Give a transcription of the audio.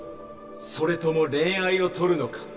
それとも恋愛を取るのか？